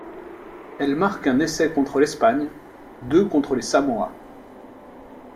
Elle marque un essai contre l'Espagne, deux contre les Samoa.